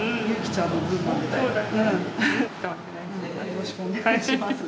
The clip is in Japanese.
よろしくお願いします。